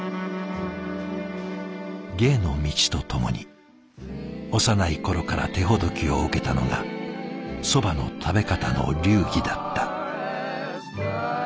芸の道とともに幼い頃から手ほどきを受けたのがそばの食べ方の流儀だった。